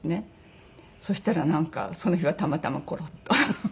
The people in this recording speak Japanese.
そしたらなんかその日はたまたまコロッと。